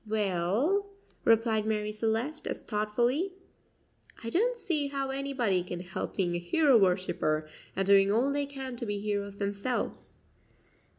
"Well," replied Marie Celeste as thoughtfully, "I don't see how anybody can help being a hero worshipper, and doing all they can to be heroes themselves."